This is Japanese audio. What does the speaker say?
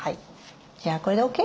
じゃあこれでＯＫ？